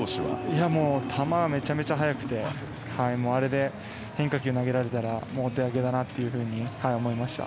球がめちゃくちゃ速くてあれで変化球を投げられたらお手上げだなと思いました。